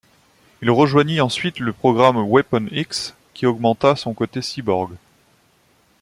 Il rejoignit ensuite le nouveau programme Weapon X, qui augmenta son côté cyborg.